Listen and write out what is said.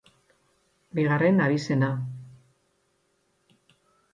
Bigarren abizena.